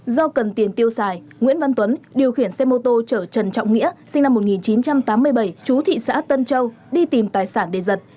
do cần tiền tiêu xài nguyễn văn tuấn điều khiển xe mô tô chở trần trọng nghĩa sinh năm một nghìn chín trăm tám mươi bảy chú thị xã tân châu đi tìm tài sản để giật